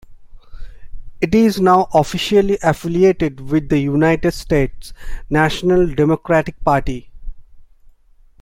It is now officially affiliated with the United States' national Democratic Party.